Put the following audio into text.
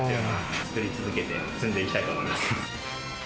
作り続けて積んでいきたいと思います。